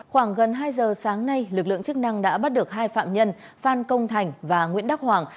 khoảng gần hai giờ sáng nay lực lượng chức năng đã bắt được hai phạm nhân phan công thành và nguyễn đắc hoàng